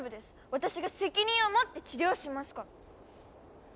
私が責任を持って治療しますから。